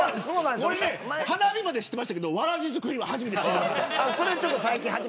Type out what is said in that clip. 花火までは知ってましたけどわらじ作りは初めて知りました。